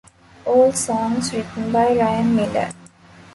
All songs written by Ryan Miller.